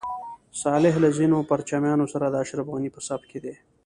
صالح له ځینو پرچمیانو سره د اشرف غني په صف کې دی.